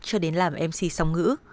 cho đến làm mc song ngữ